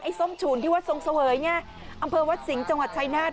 ไอ้ส้มฉูนที่ว่าสงสวยอำเภอวัดสิงห์จังหวัดชายนาธิ์